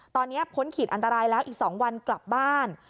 ตอนนี้พ้นขีดอันตรายแล้วอีก๒วันกลับบ้าน